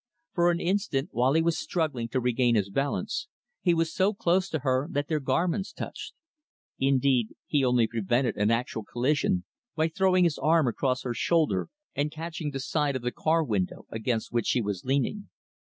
For an instant, while he was struggling to regain his balance, he was so close to her that their garments touched. Indeed, he only prevented an actual collision by throwing his arm across her shoulder and catching the side of the car window against which she was leaning.